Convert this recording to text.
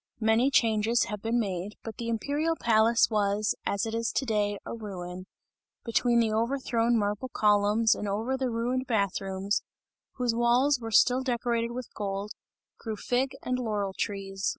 Many changes have been made, but the imperial palace, was, as it is to day, a ruin; between the overthrown marble columns and over the ruined bath rooms, whose walls were still decorated with gold, grew fig and laurel trees.